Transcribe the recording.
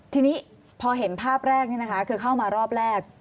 ทีนี้พอเห็นภาพแรกนี่นะคะคือเข้ามารอบแรก